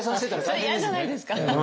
それ嫌じゃないですか？